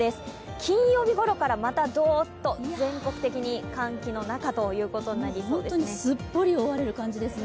金曜日ごろからまたどっと全国的に寒気の中ということになりそうですね。